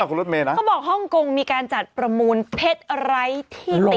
เขาบอกฮ่องกงมีการจัดประมวลเพชรไล่ที่ติ